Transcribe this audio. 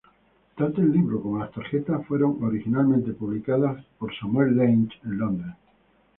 Tanto el libro como las tarjetas fueron originalmente publicados por Samuel Leigh en Londres.